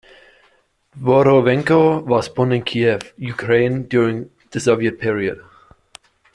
Dvorovenko was born in Kiev, Ukraine during the Soviet period.